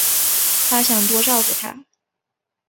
她想多照顾她